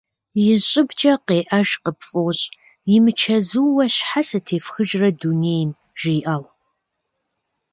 И щӏыбкӏэ къеӏэж къыпфӏощӏ «имычэзууэ щхьэ сытефхыжрэ дунейм?» жиӏэу.